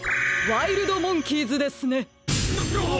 「ワイルドモンキーズ」ですね！